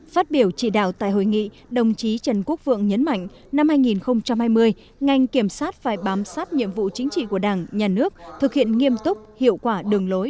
phát biểu chỉ đạo tại hội nghị đồng chí trần quốc vượng nhấn mạnh năm hai nghìn hai mươi ngành kiểm sát phải bám sát nhiệm vụ chính trị của đảng nhà nước thực hiện nghiêm túc hiệu quả đường lối